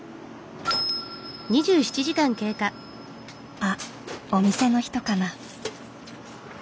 あっお店の人かな？